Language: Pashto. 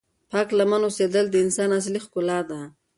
پاک لمن اوسېدل د انسان اصلی ښکلا ده.